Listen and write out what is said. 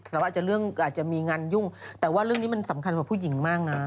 แต่ว่าอาจจะเรื่องอาจจะมีงานยุ่งแต่ว่าเรื่องนี้มันสำคัญกว่าผู้หญิงมากนะ